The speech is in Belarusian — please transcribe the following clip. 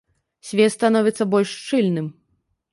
Свет становіцца больш шчыльным.